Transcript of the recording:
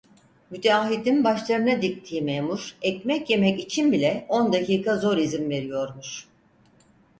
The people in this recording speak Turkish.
Müteahhidin başlarına diktiği memur ekmek yemek için bile on dakika zor izin veriyormuş.